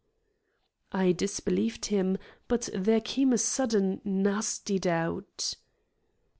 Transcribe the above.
I disbelieved him, but there came a sudden nasty doubt.